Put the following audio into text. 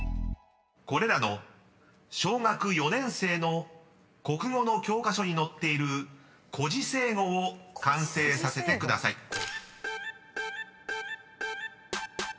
［これらの小学４年生の国語の教科書に載っている故事成語を完成させてください］